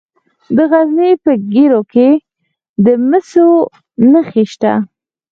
د غزني په ګیرو کې د مسو نښې شته.